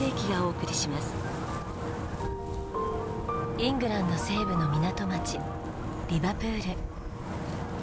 イングランド西部の港町リバプール。